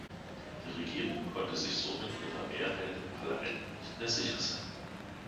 Die Regierung konnte sich somit ihrer Mehrheit im Parlament nicht mehr sicher sein.